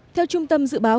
theo trung tâm dự báo